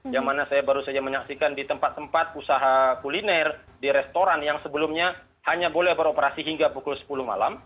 yang mana saya baru saja menyaksikan di tempat tempat usaha kuliner di restoran yang sebelumnya hanya boleh beroperasi hingga pukul sepuluh malam